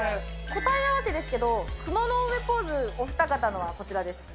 答え合わせですけど、雲の上ポーズ、お二方のはこちらです。